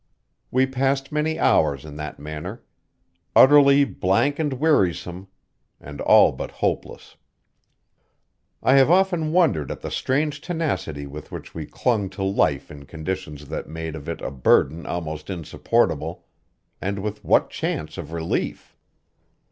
We passed many hours in that manner. Utterly blank and wearisome, and all but hopeless. I have often wondered at the strange tenacity with which we clung to life in conditions that made of it a burden almost insupportable; and with what chance of relief?